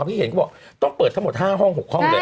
ที่เห็นก็บอกต้องเปิดทั้งหมด๕ห้อง๖ห้องเลย